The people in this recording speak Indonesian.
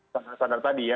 standar tadi ya